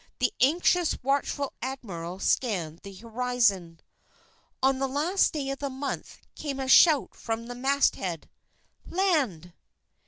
The anxious, watchful Admiral scanned the horizon. On the last day of the month, came a shout from the masthead: "Land!"